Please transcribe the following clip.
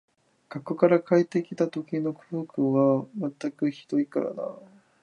学校から帰って来た時の空腹は全くひどいからな